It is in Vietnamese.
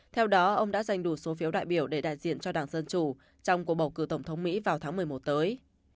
theo đó ông đã giành đủ số phiếu đại biểu để đại diện cho đảng dân chủ trong cuộc bầu cử tổng thống mỹ vào tháng một mươi một tới